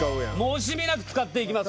惜しみなく使っていきます